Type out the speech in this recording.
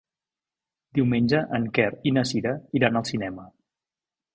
Diumenge en Quer i na Cira iran al cinema.